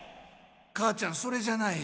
母ちゃんそれじゃない。